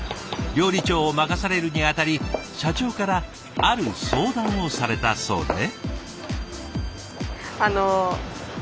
料理長を任されるに当たり社長からある相談をされたそうで。